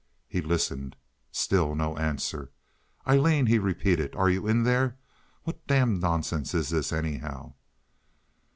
He listened. Still no answer. "Aileen!" he repeated. "Are you in there? What damned nonsense is this, anyhow?"